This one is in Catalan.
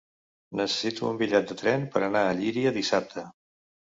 Necessito un bitllet de tren per anar a Llíria dissabte.